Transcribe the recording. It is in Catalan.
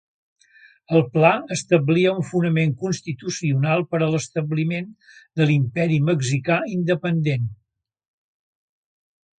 El pla establia un fonament constitucional per a l'establiment de l'Imperi Mexicà independent.